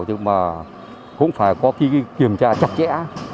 nhưng mà cũng phải có cái kiểm tra chặt chẽ